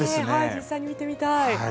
実際に見てみたい。